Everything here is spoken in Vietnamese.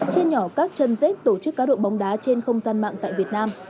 trên nhỏ các chân rết tổ chức cá độ bóng đá trên không gian mạng tại việt nam